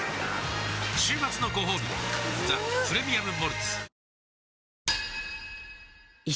週末のごほうび「ザ・プレミアム・モルツ」くーーーーーっ